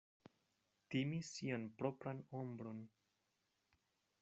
Timi sian propran ombron.